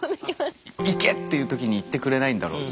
「いけ！」っていう時にいってくれないんだろう。